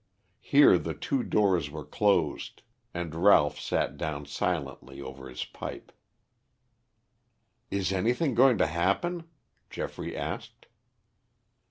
Here the two doors were closed and Ralph sat down silently over his pipe. "Is anything going to happen?" Geoffrey asked.